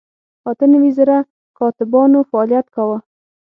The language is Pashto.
اته نوي زره کاتبانو فعالیت کاوه.